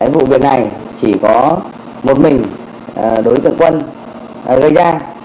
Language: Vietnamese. vụ việc này chỉ có một mình đối tượng quân gây ra